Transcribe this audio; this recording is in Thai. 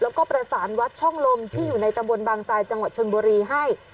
แล้วก็ประสานวัดช่องลมที่อยู่ในตำบลบางทรายจังหวัดชนบุรีให้